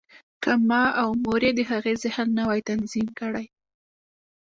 که ما او مور یې د هغه ذهن نه وای تنظیم کړی